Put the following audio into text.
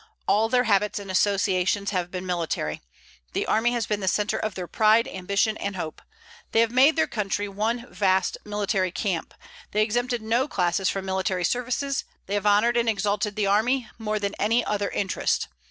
All their habits and associations have been military. The army has been the centre of their pride, ambition, and hope. They have made their country one vast military camp. They have exempted no classes from military services; they have honored and exalted the army more than any other interest.